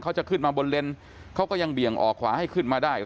เขาจะขึ้นมาบนเลนเขาก็ยังเบี่ยงออกขวาให้ขึ้นมาได้